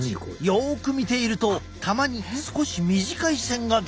よく見ているとたまに少し短い線が出てくる。